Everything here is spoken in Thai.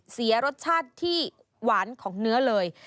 เสียรสชาติที่หวานของเนื้อเลย